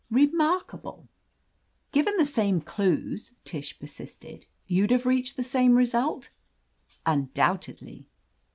Remarkable I" "Given the same clues," Tish persisted, "you'd have reached the same result?" "Undoubtedly."